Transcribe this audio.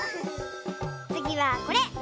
つぎはこれ！